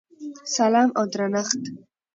سلام او درنښت!!!